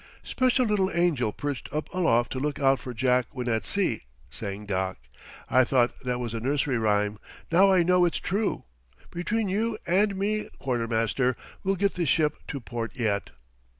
"Special little angel perched up aloft to look out for Jack when at sea " sang Doc. "I thought that was a nursery rhyme. Now I know it's true. Between you and me, quartermaster, we'll get this ship to port yet."